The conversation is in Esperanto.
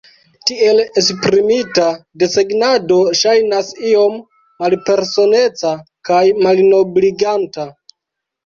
Tiel esprimita, desegnado ŝajnas iom malpersoneca kaj malnobliganta.